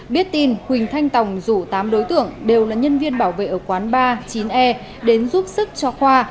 biết tin huỳnh thanh tòng rủ tám đối tượng đều là nhân viên bảo vệ ở quán ba mươi chín e đến giúp sức cho khoa